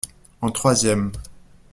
En troisième.